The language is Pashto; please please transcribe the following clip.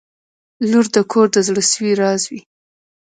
• لور د کور د زړسوي راز وي.